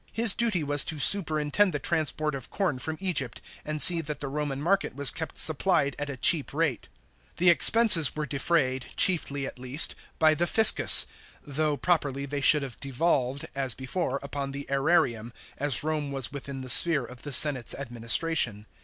His duty was to superintend the transport of corn from Egypt, and see that the Roman market was kept supplied at a cheap 27 B.a 14 A.D. CORN SUPPLY. WATER SUPPLY. 65 rate. The expenses were defrayed, chiefly at least, by the fiscus, though properly they should have devolved, as before, upon the aerarium, as Rome was within the sphere of the senate's adminis tration.